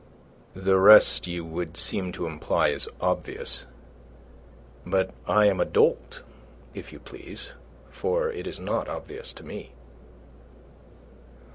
"The rest, you would seem to imply, is obvious. But I am a dolt, if you please; for it is not obvious to me."